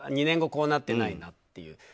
２年後こうなってないなっていう。